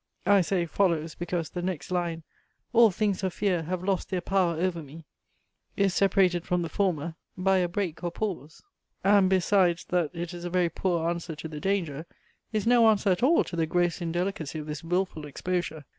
I say, follows, because the next line, "all things of fear have lost their power over me," is separated from the former by a break or pause, and besides that it is a very poor answer to the danger, is no answer at all to the gross indelicacy of this wilful exposure.